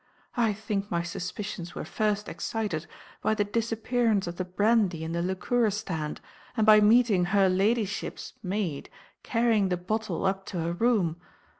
I think my suspicions were first excited by the disappearance of the brandy in the liqueur stand, and by meeting "her ladyship's" maid carrying the bottle up to her room!